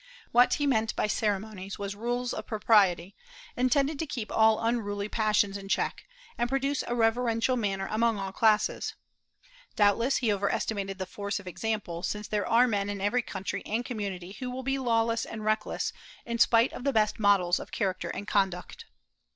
What he meant by ceremonies was rules of propriety, intended to keep all unruly passions in check, and produce a reverential manner among all classes. Doubtless he over estimated the force of example, since there are men in every country and community who will be lawless and reckless, in spite of the best models of character and conduct.